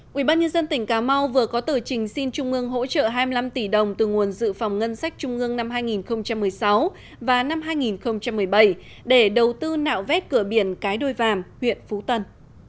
quỹ ban nhân dân tỉnh cà mau vừa có tờ trình xin trung ương hỗ trợ hai mươi năm tỷ đồng từ nguồn dự phòng ngân sách trung ương năm hai nghìn một mươi sáu và năm hai nghìn một mươi bảy để đầu tư nạo vét cửa biển cái đôi vàm huyện phú tân